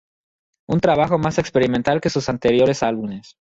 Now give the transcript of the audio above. Un trabajo más experimental que sus anteriores álbumes.